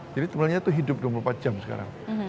jadi sebenarnya itu hidup dua puluh empat jam sekarang